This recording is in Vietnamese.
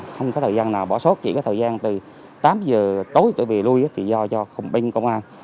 không có thời gian nào bỏ sót chỉ có thời gian từ tám h tối tới bìa lui thì do cho bình công an